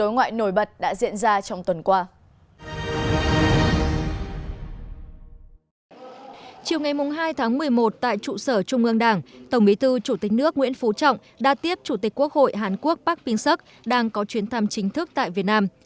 chiều ngày hai tháng một mươi một tại trụ sở trung ương đảng tổng bí thư chủ tịch nước nguyễn phú trọng đa tiếp chủ tịch quốc hội hàn quốc park ping suk đang có chuyến thăm chính thức tại việt nam